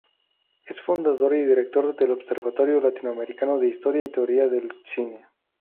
Es fundador y director del Observatorio Latinoamericano de Historia y Teoría del cine.